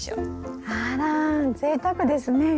あらぜいたくですね。